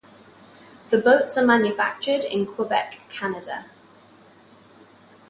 The boats are manufactured in Quebec, Canada.